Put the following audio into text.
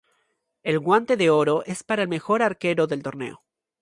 El Guante de Oro es para el mejor arquero del torneo.